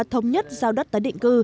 thống nhất giao đất tái định cư